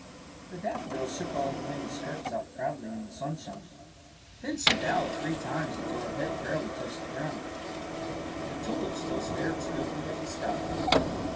The daffodil shook all her many skirts out proudly in the sunshine. Then she bowed three times until her head fairly touched the groimd. The tulips still stared stiffly at the sky.